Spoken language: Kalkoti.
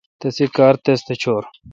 تسی کار تس تھ چور۔